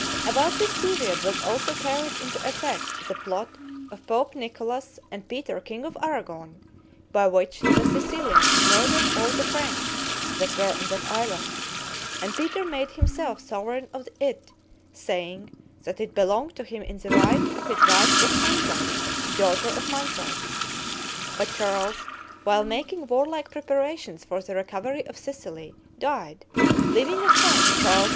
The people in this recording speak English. About this period was also carried into effect the plot of Pope Nicholas and Peter, king of Aragon, by which the Sicilians murdered all the French that were in that island; and Peter made himself sovereign of it, saying, that it belonged to him in the right of his wife Gostanza, daughter of Manfred. But Charles, while making warlike preparations for the recovery of Sicily, died, leaving a son, Charles II.